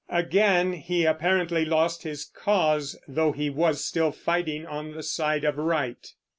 Again he apparently lost his cause, though he was still fighting on the side of right.